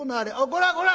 「こらこら！